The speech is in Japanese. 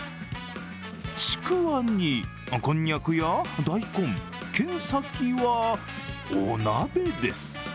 ちくわに、こんにゃくや大根、剣先はお鍋です。